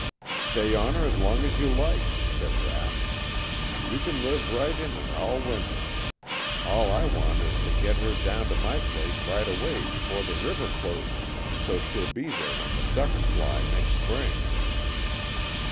"Stay on her as long as you like," said Rapp. "You can live right in her all winter. All I want is to get her down to my place right away before the river closes, so she'll be there when the ducks fly next spring."